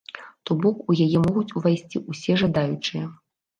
То бок, у яе могуць увайсці ўсе жадаючыя.